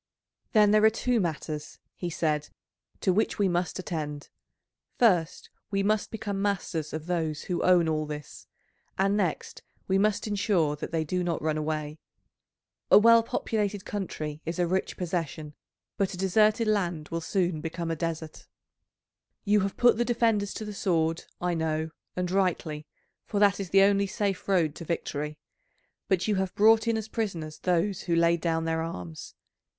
"Then there are two matters," he said, "to which we must attend; first we must become masters of those who own all this, and next we must ensure that they do not run away. A well populated country is a rich possession, but a deserted land will soon become a desert. You have put the defenders to the sword, I know, and rightly for that is the only safe road to victory; but you have brought in as prisoners those who laid down their arms.